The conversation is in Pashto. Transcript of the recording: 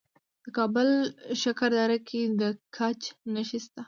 د کابل په شکردره کې د ګچ نښې شته.